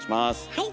はい！